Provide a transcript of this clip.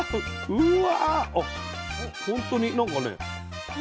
うわ！